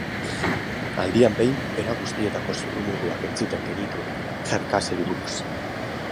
Aldian behin, era guztietako zurrumurruak entzuten genituen Herncastleri buruz.